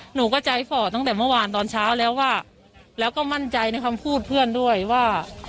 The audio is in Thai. หนูก็ใจฝ่อตั้งแต่เมื่อวานตอนเช้าแล้วว่าแล้วก็มั่นใจในคำพูดเพื่อนด้วยว่า